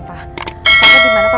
apa yang kamu inginkan